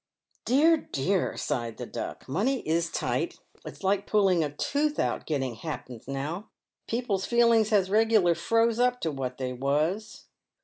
" Dear, dear !" sighed the Duck, "money is tight ; it's like pulling a tooth out getting ha'pence now. People's feelings has reg'lar froze up to what they was."